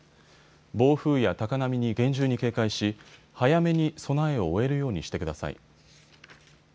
暴風や高波に厳重に警戒し早めに備えを終えるようにしてください。